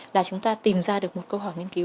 là chúng ta tìm ra được một câu hỏi nghiên cứu